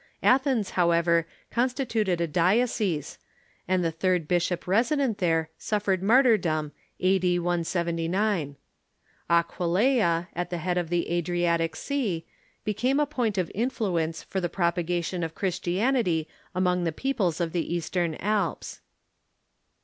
Athens, however, constituted a diocese, and the third bishoj) resident there suf fered martyrdom a.d. 179. Aquileia, at the head of the Adri atic Sea, became a point of influence for the propagation of Christianity among the peoples of the eastern Alps.